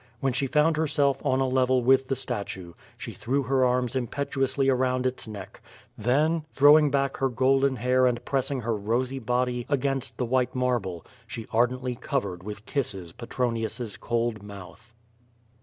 When she found herself on a level with the statue, she threw her arms impetuously around its neck; then^ throwing back her golden hair and pressing her rosy body against the white marble, she ardently covered with kisses Petronius's cold mouth.